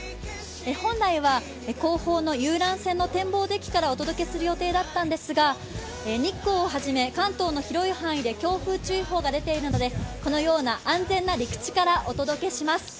本来は後方の遊覧船の展望デッキからお届けする予定だったのですが、日光をはじめ関東の広い範囲で強風注意報が出ているためこのような安全な陸地からお届けします。